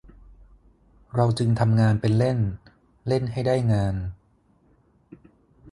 เราจึงทำงานเป็นเล่น เล่นให้ได้งาน